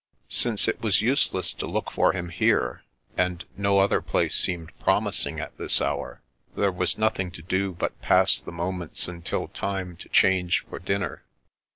Since it was useless to look for him here, and no other place seemed promising at this hour, there was nothing to do but pass the moments until time to change for dinner.